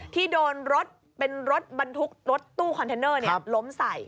ที่โดนรถเป็นรถบรรทุกรถตู้คอนเทนเนอร์ล้มใส่